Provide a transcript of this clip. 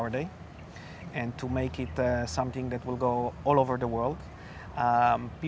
dan untuk membuatnya sesuatu yang akan berjalan di seluruh dunia